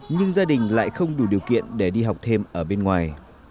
nhưng gia đình lại không đủ điều kiện để đi học thêm ở bên ngoài